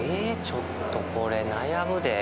ちょっと、これ悩むで。